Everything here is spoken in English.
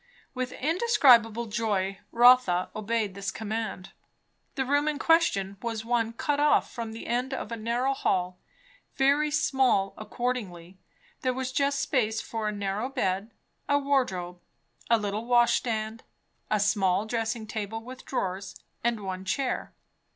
With indescribable joy Rotha obeyed this command. The room in question was one cut off from the end of a narrow hall; very small accordingly; there was just space for a narrow bed, a wardrobe, a little washstand, a small dressing table with drawers, and one chair.